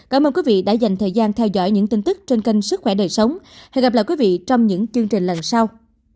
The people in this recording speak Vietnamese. cảm ơn quý vị đã dành thời gian theo dõi những tin tức trên kênh sức khỏe đời sống hẹn gặp lại quý vị trong những chương trình lần sau